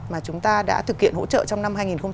mà chúng ta đã thực hiện hỗ trợ trong năm hai nghìn hai mươi